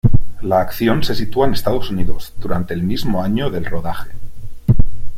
La acción se sitúa en Estados Unidos durante el mismo año del rodaje.